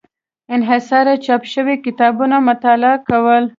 انحصاري چاپ شوي کتابونه مطالعه کول.